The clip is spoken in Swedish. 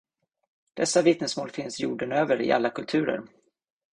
Dessa vittnesmål finns jorden över, i alla kulturer.